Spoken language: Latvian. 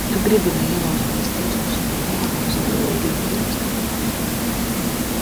Tu gribi, lai ielaužamies tiesneša birojā un nozogam video ierakstu?